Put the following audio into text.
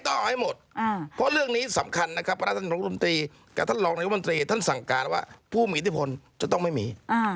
ถึงใครต้องเอาให้หมด